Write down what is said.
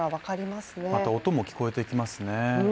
また、音も聞こえてきますね。